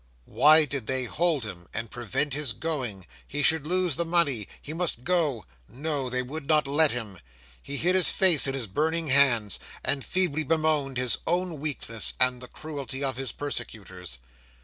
Why did they hold him, and prevent his going? he should lose the money he must go. No! they would not let him. He hid his face in his burning hands, and feebly bemoaned his own weakness, and the cruelty of his persecutors.